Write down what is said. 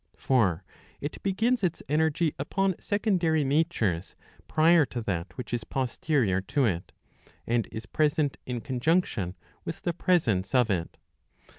For it begins its energy upon secondary natures prior to that which is posterior to it, and is present in conjunction with the presence of it.